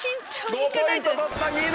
５ポイント取った。